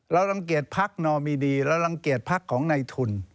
รังเกียจพักนอมิดีเรารังเกียจพักของในทุน